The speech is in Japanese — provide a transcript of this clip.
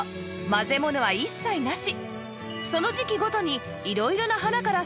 混ぜものは一切なし